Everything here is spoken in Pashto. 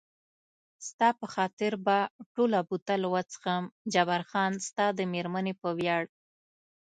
ستا په خاطر به ټوله بوتل وڅښم، جبار خان ستا د مېرمنې په ویاړ.